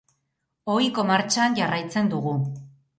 Ohiko martxan jarraitzen dugu.